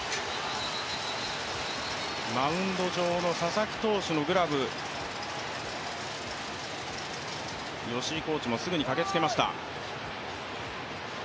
マウンド上の佐々木投手のグラブ、吉井コーチもすぐに駆けつけました。